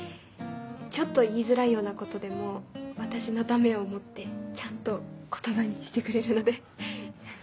ちょっと言いづらいようなことでも私のためを思ってちゃんと言葉にしてくれるので。